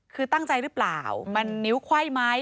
คือตั้งใจหรือเปล่ามันนิ้วไขว้ไหม